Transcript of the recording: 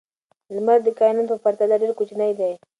لمر د کائناتو په پرتله ډېر کوچنی دی.